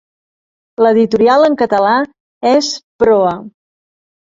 L'editorial en català és Proa.